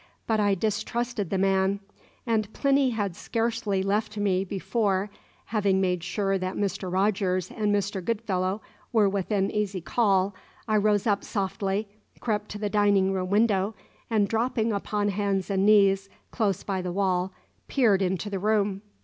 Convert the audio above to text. But I distrusted the man; and Plinny had scarcely left me before, having made sure that Mr. Rogers and Mr. Goodfellow were within easy call, I rose up softly, crept to the dining room window, and, dropping upon hands and knees close by the wall, peered into the room.